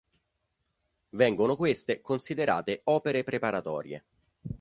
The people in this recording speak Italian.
Vengono queste considerate opere preparatorie